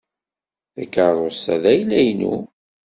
Takeṛṛust-a d ayla-inu.